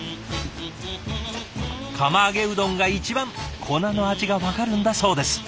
釜揚げうどんが一番粉の味が分かるんだそうです。